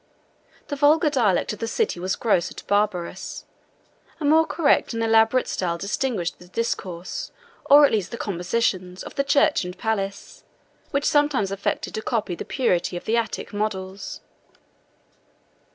111 The vulgar dialect of the city was gross and barbarous: a more correct and elaborate style distinguished the discourse, or at least the compositions, of the church and palace, which sometimes affected to copy the purity of the Attic models.